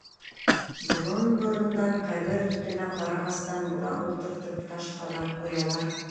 Борон-борондан ҡәбер өҫтөнә ҡарағастан бура ултыртып, таш ҡаҙап ҡуялар.